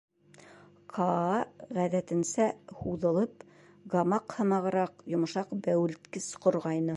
Каа, ғәҙәтенсә, һуҙылып, гамак һымағыраҡ йомшаҡ бә-үелткес ҡорғайны.